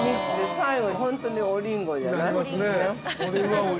◆最後に本当におりんごじゃない。